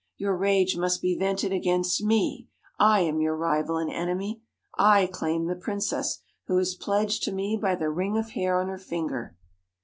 your rage must be vented against me ; I am your rival and enemy. I claim the princess, who is pledged to me by the ring of hair on her finger.'